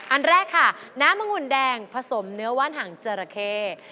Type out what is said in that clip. อันแรกค่ะน้ำองุ่นแดงผสมเนื้อว่านหางจราเข้